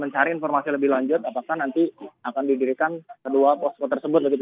mencari informasi lebih lanjut apakah nanti akan didirikan kedua posko tersebut begitu